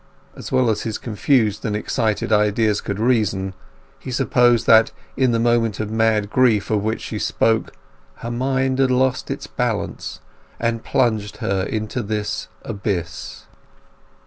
As well as his confused and excited ideas could reason, he supposed that in the moment of mad grief of which she spoke, her mind had lost its balance, and plunged her into this abyss.